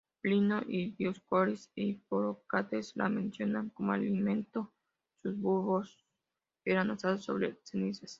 Plinio, Dioscórides e Hipócrates la mencionan como alimento; sus bulbos eran asados sobre cenizas.